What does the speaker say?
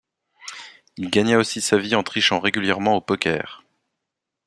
Il gagna aussi sa vie en trichant régulièrement au poker.